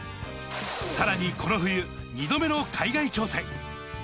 さらにこの冬、２度目の海外挑戦。